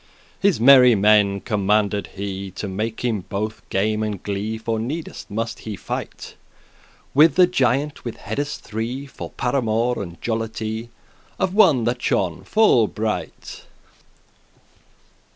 His merry men commanded he To make him both game and glee; For needes must he fight With a giant with heades three, For paramour and jollity Of one that shone full bright.